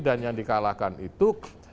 dan yang di kalahkan itu